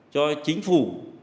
cho chính phủ